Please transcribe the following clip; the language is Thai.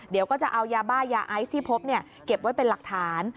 เดี๋ยวก็จะเอายาบ้ายาไอซ์ที่พบเก็บไว้เป็นหลักฐาน